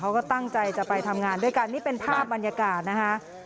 เขาก็ตั้งใจจะไปทำงานด้วยกันนี่เป็นภาพบรรยากาศนะคะ